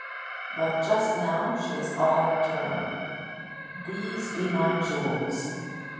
But just now she is all maternal 'These be my jewels.'